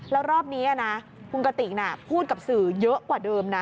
แล้วรอบนี้นะคุณกติกพูดกับสื่อเยอะกว่าเดิมนะ